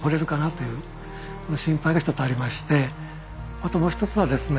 あともう一つはですね